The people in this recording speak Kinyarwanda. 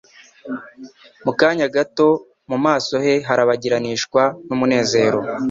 Mu kanya gato, mu maso he harabagiranishwa n'umunezero